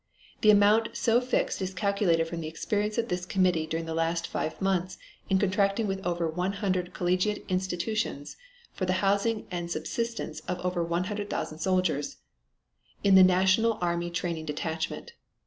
The amount so fixed is calculated from the experience of this committee during the last five months in contracting with over 100 collegiate institutions for the housing and subsistence of over 100,000 soldiers in the National Army Training Detachment.